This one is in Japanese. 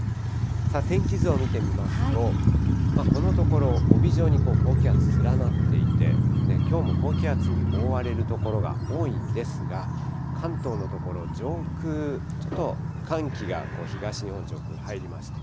天気図を見てみますと、このところ、帯状に高気圧連なっていて、きょうも高気圧に覆われる所が多いんですが、関東の所、上空、ちょっと寒気が東日本上空、入ります。